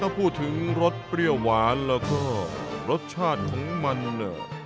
ถ้าพูดถึงรสเปรี้ยวหวานแล้วก็รสชาติของมันเนี่ย